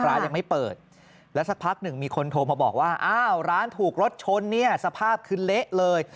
ร้านยังไม่เปิดแล้วสักพักหนึ่งมีคนโทรมาบอกว่าอ้าวร้านถูกรถชนเนี่ยสภาพคือเละเลย